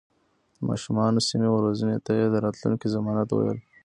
د ماشومانو سمې روزنې ته يې د راتلونکي ضمانت ويل.